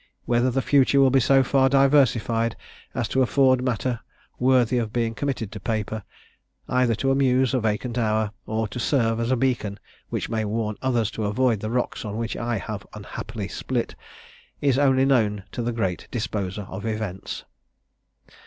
Whether the future will be so far diversified as to afford matter worthy of being committed to paper, either to amuse a vacant hour, or to serve as a beacon which may warn others to avoid the rocks on which I have unhappily split, is only known to the great Disposer of events."